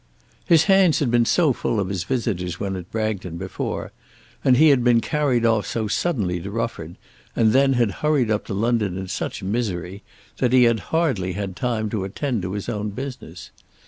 His hands had been so full of his visitors when at Bragton before, and he had been carried off so suddenly to Rufford, and then had hurried up to London in such misery, that he had hardly had time to attend to his own business.